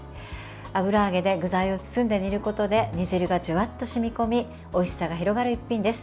油揚げで具材を包んで煮ることで煮汁がジュワッと染み込みおいしさが広がる一品です。